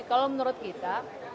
kalau menurut kita